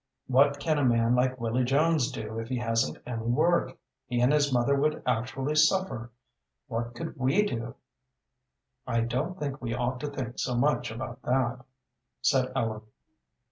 What can a man like Willy Jones do if he hasn't any work? He and his mother would actually suffer. What could we do?" "I don't think we ought to think so much about that," said Ellen.